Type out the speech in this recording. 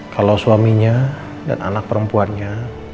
kalau suaminya dan anak perempuannya